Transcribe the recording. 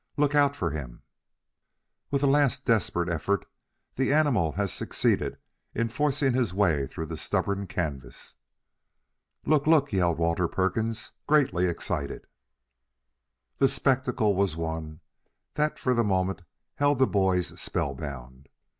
"Look out for him!" With a last desperate effort, the animal had succeeded in forcing his way through the stubborn canvas. "Look, look!" yelled Walter Perkins, greatly excited. The spectacle was one that for the moment held the boys spellbound.